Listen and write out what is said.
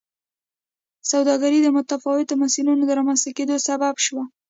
سوداګري د متفاوتو مسیرونو د رامنځته کېدو سبب شوه.